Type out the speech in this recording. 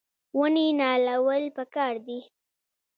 ونې نالول پکار دي